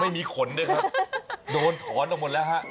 ไม่มีขนด้วยครับโดนถอนออกหมดแล้วฮะ